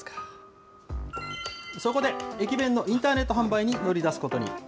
そこで、駅弁のインターネット販売に乗り出すことに。